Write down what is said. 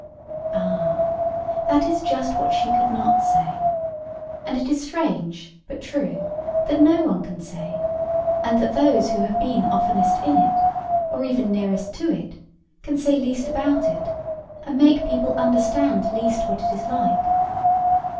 Ah! that is just what she could not say. And it is strange, but true, that no one can say; and that those who have been oftenest in it, or even nearest to it, can say least about it, and make people understand least what it is like.